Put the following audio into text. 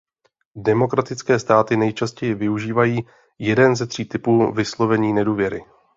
Demokratické státy nejčastěji využívají jeden ze tří typů vyslovení nedůvěry.